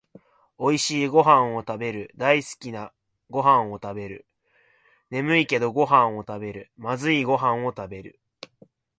おいしいごはんをたべる、だいすきなごはんをたべる、ねむいけどごはんをたべる、まずいごはんをたべる